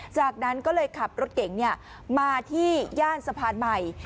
จากนั้นก็เลยขับรถเก๋งมาที่ย่านสะพานใหม่